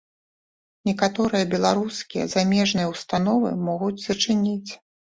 Некаторыя беларускія замежныя ўстановы могуць зачыніць.